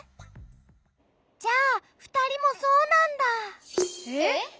じゃあふたりもそうなんだ。えっ！？